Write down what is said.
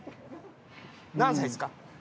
何歳ですか？